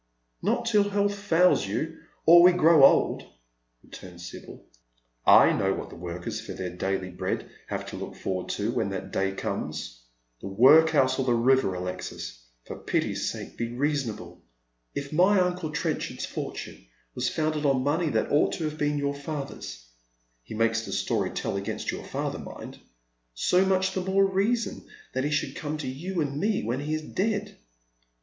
"Not till health fails you, or we grow old," returns Sibyl. "I know what the workers for their daily bread have to look forward to when that day comes. The workhouse or the river. Alexis, for pity's sake, be reasonable. If my uncle Trenchard's fortune was founded on money that ought to have been your father's — he makes the story tell against your father, mind — BO much the more reason that it should come to you and uie when he is dead.